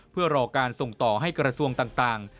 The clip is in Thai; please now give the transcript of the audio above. เพื่อรอการส่งต่อให้กระทรวงต่าง